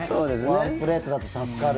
ワンプレートだと助かる。